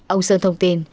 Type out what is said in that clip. ông sơn thông tin